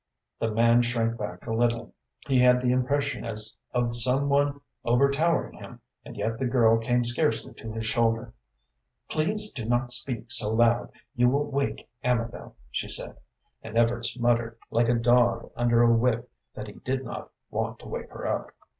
The man shrank back a little, he had the impression as of some one overtowering him, and yet the girl came scarcely to his shoulder. "Please do not speak so loud, you will wake Amabel," she said, and Evarts muttered, like a dog under a whip, that he didn't want to wake her up.